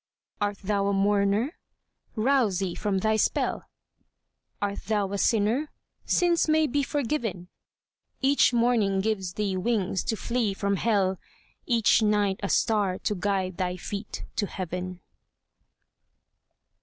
Art thou a mourner? Rouse thee from thy spell ; Art thou a sinner? Sins may be forgiven ; Each morning gives thee wings to flee from hell, Each night a star to guide thy feet to heaven.